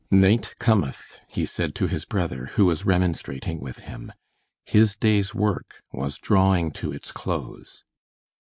"Night cometh," he said to his brother, who was remonstrating with him. His day's work was drawing to its close.